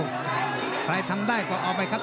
ใครทำได้ก็เอาไปครับ